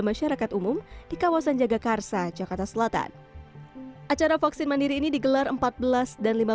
masyarakat umum di kawasan jagakarsa jakarta selatan acara vaksin mandiri ini digelar empat belas dan lima belas